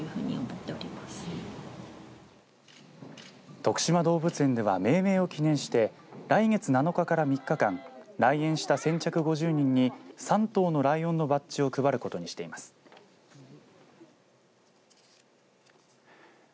とくしま動物園では命名を記念して来月７日から３日間来園した先着５０人に３頭のライオンのバッジを配ることにしています。